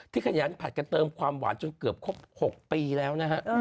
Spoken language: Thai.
ขยันผัดกันเติมความหวานจนเกือบครบ๖ปีแล้วนะฮะ